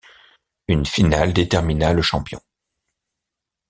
Une finale détermina le champion.